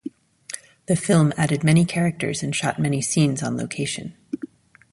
The film added many characters and shot many scenes on location.